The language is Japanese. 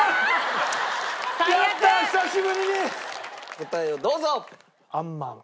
答えをどうぞ！